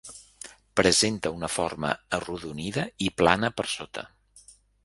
Presenta una forma arrodonida, i plana per sota.